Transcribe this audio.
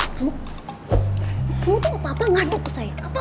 ini tuh apa apa ngaduk ke saya